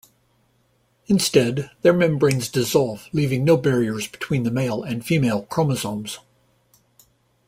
Instead, their membranes dissolve, leaving no barriers between the male and female chromosomes.